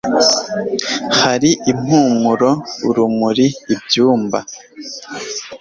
hari impumuro urumuri ibyuma